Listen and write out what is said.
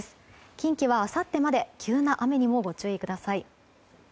近畿はあさってまで急な雨にもご注意ください。